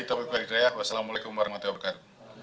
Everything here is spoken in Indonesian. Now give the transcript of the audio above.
nanti dokter lebih menjelaskan